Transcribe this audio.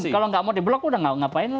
kalau nggak mau di blok udah ngapain